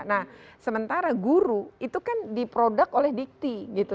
nah sementara guru itu kan diproduk oleh dikti gitu